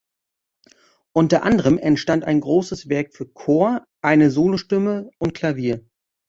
Unter anderem entstand ein großes Werk für Chor, eine Solostimme und Klavier.